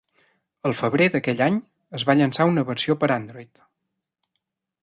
El febrer d"aquell any es va llançar una versió per a Android.